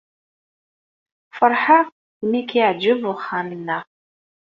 Feṛḥeɣ imi ay k-yeɛjeb uxxam-nneɣ.